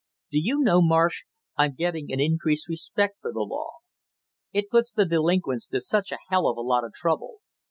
Do you know, Marsh, I'm getting an increased respect for the law; it puts the delinquents to such a hell of a lot of trouble.